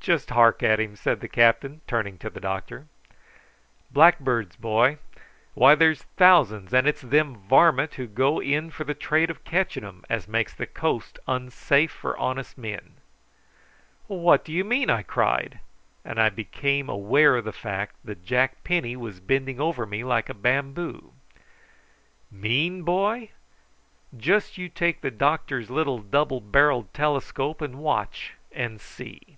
"Just hark at him," said the captain, turning to the doctor. "Blackbirds, boy, why, there's thousands; and it's them varmint who go in for the trade of catching 'em as makes the coast unsafe for honest men." "What do you mean?" I cried, and I became aware of the fact that Jack Penny was bending over me like a bamboo. "Mean, boy? just you take the doctor's little double barrelled telescope and watch and see."